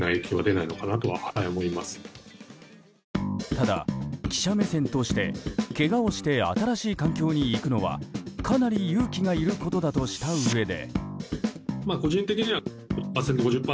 ただ、記者目線としてけがをして新しい環境に行くのはかなり勇気がいることだとしたうえで。